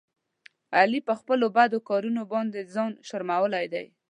علي په خپلو بدو کارونو باندې ځان شرمولی دی.